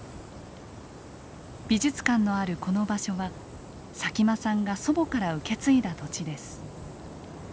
美術館のあるこの場所は佐喜眞さんが祖母から受け継いだ土地です。